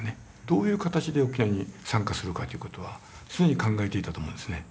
どういう形で沖縄に参加するかという事は常に考えていたと思うんですね。